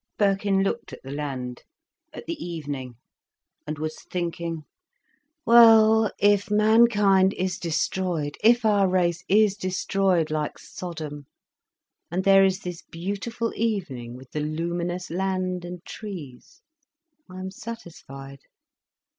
Birkin looked at the land, at the evening, and was thinking: "Well, if mankind is destroyed, if our race is destroyed like Sodom, and there is this beautiful evening with the luminous land and trees, I am satisfied.